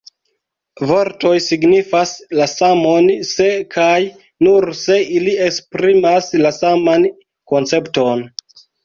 Vortoj signifas la samon se kaj nur se ili esprimas la saman koncepton.